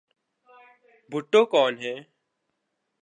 بھٹو کون ہیں؟